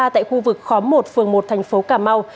tại khu vực khóm một phường một thành phố cà mau